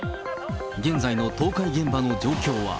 現在の倒壊現場の状況は。